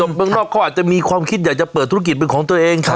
เมืองนอกเขาอาจจะมีความคิดอยากจะเปิดธุรกิจเป็นของตัวเอง